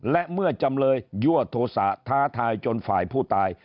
และเมื่อจำเลยยั่วโทษะท้าทายจนฝ่ายผู้ตาย